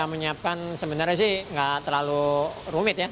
menyiapkan sebenarnya sih nggak terlalu rumit ya